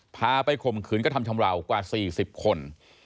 พาไปข่มขืนกระทำชำราวกว่า๔๐คน